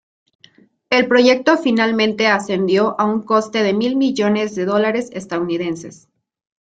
El proyecto finalmente ascendió a un coste de mil millones de dólares estadounidenses.